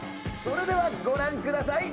それではご覧ください